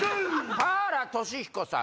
田原俊彦さん